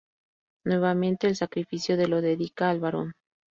Nuevamente el sacrificio de lo dedica al Barón.